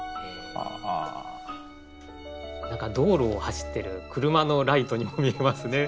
何か道路を走ってる車のライトにも見えますね。